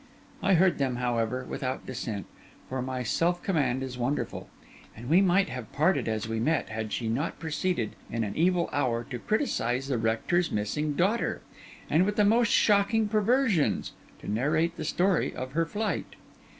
I heard them, however, without dissent, for my self command is wonderful; and we might have parted as we met, had she not proceeded, in an evil hour, to criticise the rector's missing daughter, and with the most shocking perversions, to narrate the story of her flight.